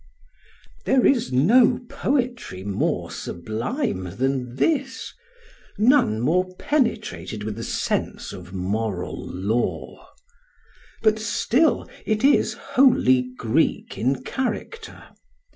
] There is no poetry more sublime than this; none more penetrated with the sense of moral law. But still it is wholly Greek in character.